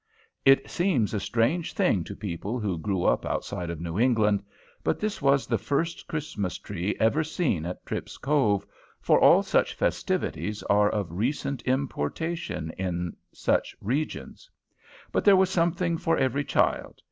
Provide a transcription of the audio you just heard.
It seems a strange thing to people who grew up outside of New England. But this was the first Christmas tree ever seen at Tripp's Cove, for all such festivities are of recent importation in such regions. But there was something for every child.